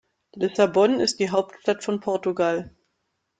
Lissabon ist die Hauptstadt von Portugal.